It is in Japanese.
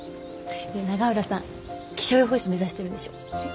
永浦さん気象予報士目指してるんでしょ？